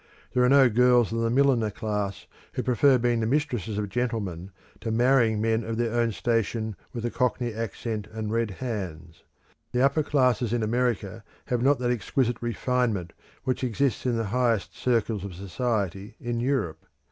There are no girls of the milliner class who prefer being the mistresses of gentlemen to marrying men of their own station with a Cockney accent and red hands. The upper classes in America have not that exquisite refinement which exists in the highest circles of society in Europe.